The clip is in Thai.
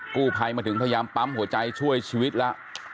กู้ภัยมาถึงพยายามปั๊มหัวใจช่วยชีวิตแล้ว